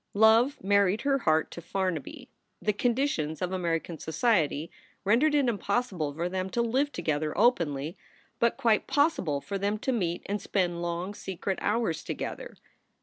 Love married her heart to Farnaby. The conditions of American society rendered it impossible for them to live together openly, but quite possible for them to meet and spend long secret hours together.